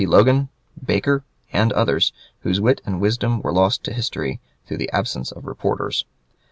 Logan, Baker, and others, whose wit and wisdom were lost to history through the absence of reporters.